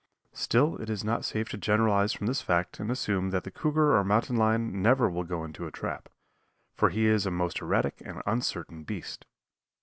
Still it is not safe to generalize from this fact and assume that the cougar or mountain lion never will go into a trap, for he is a most erratic and uncertain beast.